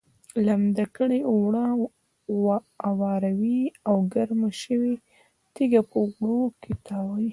لمده کړې اوړه اواروي او ګرمه شوې تیږه په اوړو کې تاووي.